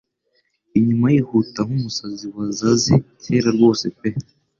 Inyuma yihuta nk'umusazi wazaze kera rwose pe